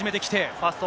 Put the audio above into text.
ファースト。